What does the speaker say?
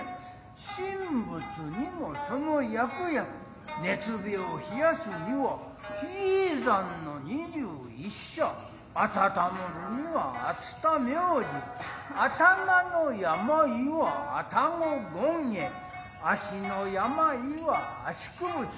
神仏にもその役々熱病ひやすには比叡山の二十一社あたたむるには熱田明神頭の病いは愛宕権現足の病は阿仏。